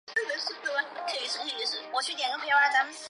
她生了最小的女儿